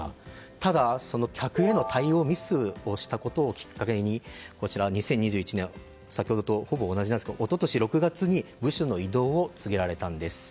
ただ、客への対応ミスをしたことをきっかけに２０２１年、先ほどとほぼ同じですが一昨年６月に部署の異動を告げられたんです。